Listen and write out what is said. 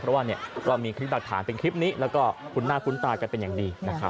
เพราะว่าเรามีคลิปหลักฐานเป็นคลิปนี้แล้วก็คุ้นหน้าคุ้นตากันเป็นอย่างดีนะครับ